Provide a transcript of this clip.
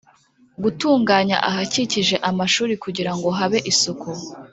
gutunganya ahakikije amashuri kugirango habe isuku